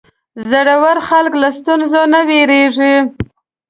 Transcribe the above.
زړور خلک له ستونزو نه وېرېږي.